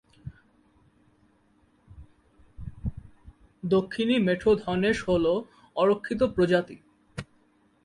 দক্ষিণী মেঠো ধনেশ হল অরক্ষিত প্রজাতি।